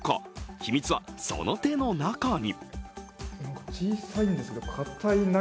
秘密はその手の中に。